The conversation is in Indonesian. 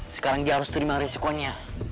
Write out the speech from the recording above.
sekarang dia harus terima risikonya